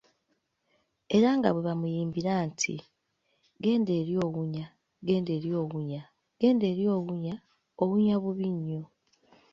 Era nga bw'ebamuyimbira nti; Genda eli owunya ,genda eli owunya, genda eli owunya, owunya bubi nnyo.